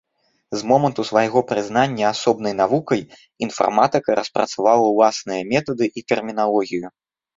З моманту свайго прызнання асобнай навукай інфарматыка распрацавала ўласныя метады і тэрміналогію.